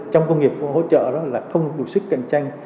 trong công nghiệp hỗ trợ đó là không đủ sức cạnh tranh